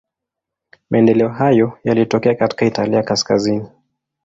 Maendeleo hayo yalitokea katika Italia kaskazini.